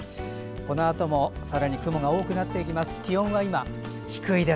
このあともさらに雲が多くなっていきます。